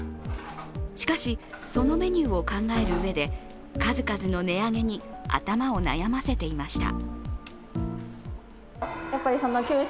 しかし、そのメニューを考えるうえで数々の値上げに頭を悩ませていました。